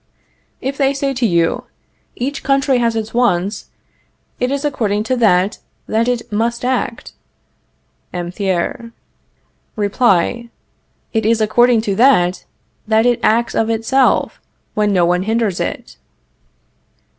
If they say to you: Each country has its wants; it is according to that that it must act (M. Thiers) Reply: It is according to that that it acts of itself when no one hinders it.